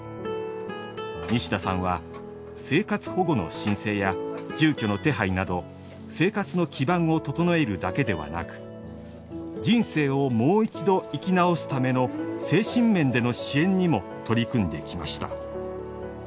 西田さんは生活保護の申請や住居の手配など生活の基盤を整えるだけではなく人生をもう一度生き直すための精神面での支援にも取り組んできました。